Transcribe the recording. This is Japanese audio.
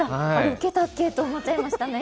受けたっけ？と思っちゃいましたね